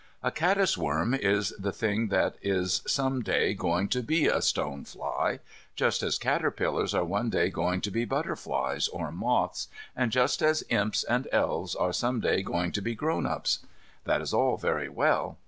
A caddisworm is the thing that is some day going to be a stonefly, just as caterpillars are one day going to be butterflies or moths, and just as Imps and Elves are some day going to be grown ups. That is all very well.